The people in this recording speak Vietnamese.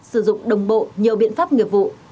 sử dụng đồng bộ nhiều biện pháp nghiệp vụ